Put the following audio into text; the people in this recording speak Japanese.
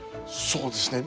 そうですね。